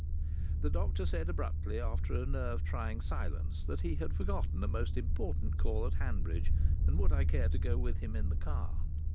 The doctor said abruptly after a nerve trying silence that he had forgotten a most important call at Hanbridge, and would I care to go with him in the car?